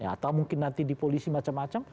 atau mungkin nanti di polisi macam macam